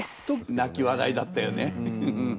泣き笑いだったよね。